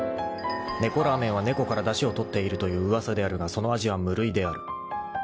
［猫ラーメンは猫からだしをとっているという噂であるがその味は無類である］